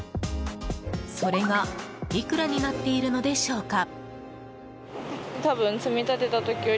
それがいくらになっているのでしょうか。